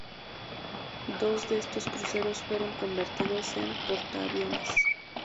Dos de estos cruceros, fueron convertidos en portaaviones.